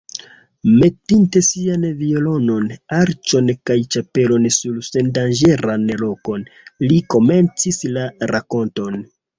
Metinte siajn violonon, arĉon kaj ĉapelon sur sendanĝeran lokon, li komencis la rakonton.